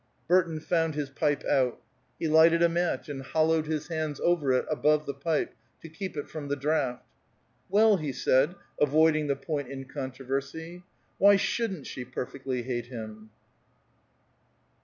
Burton found his pipe out. He lighted a match and hollowed his hands over it above the pipe, to keep it from the draught. "Well," he said, avoiding the point in controversy, "why shouldn't she perfectly hate him?"